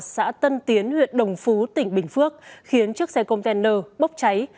xã tân tiến huyện đồng phú tỉnh bình phước khiến chiếc xe container bốc cháy